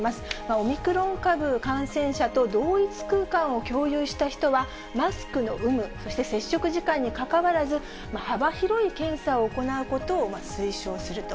オミクロン株感染者と同一空間を共有した人は、マスクの有無、そして接触時間にかかわらず、幅広い検査を行うことを推奨すると。